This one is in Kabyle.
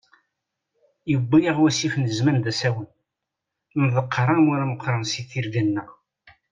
Yewwi-yaɣ wasif n zzman d asawen, nḍeqqer amur ameqran si tirga-nneɣ.